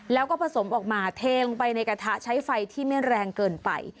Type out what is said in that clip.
แล้วก็ผสมออกมาเทลงไปในกระทะใช้ไฟที่ไม่แรงเกินไป